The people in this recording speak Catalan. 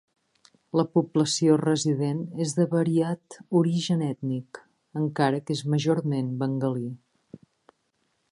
La població resident és de variat origen ètnic, encara que és majorment bengalí.